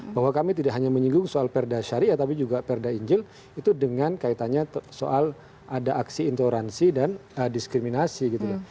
bahwa kami tidak hanya menyinggung soal perda syariah tapi juga perda injil itu dengan kaitannya soal ada aksi intoleransi dan diskriminasi gitu ya